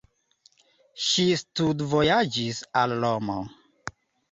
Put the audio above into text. Ŝi studvojaĝis al Romo.